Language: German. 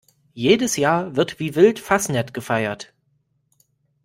Jedes Jahr wird wie wild Fasnet gefeiert.